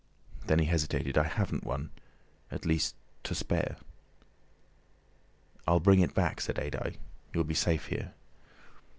Then he hesitated. "I haven't one—at least to spare." "I'll bring it back," said Adye, "you'll be safe here."